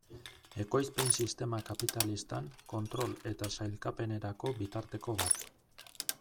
Ekoizpen sistema kapitalistan, kontrol eta sailkapenerako bitarteko bat.